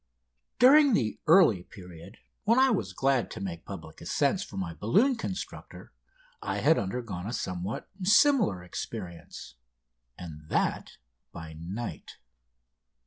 During the early period when I was glad to make public ascents for my balloon constructor I had undergone a somewhat similar experience, and that by night.